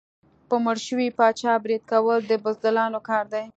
په مړ شوي پاچا برید کول د بزدلانو کار دی.